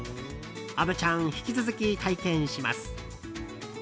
虻ちゃん引き続き体験します。